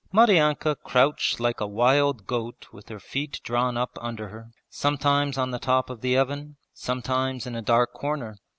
Maryanka crouched like a wild goat with her feet drawn up under her, sometimes on the top of the oven, sometimes in a dark corner.